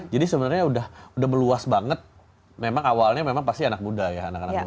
jadi sebenarnya udah meluas banget memang awalnya memang pasti anak muda ya